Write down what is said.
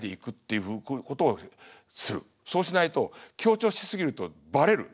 そうしないと強調し過ぎるとバレる。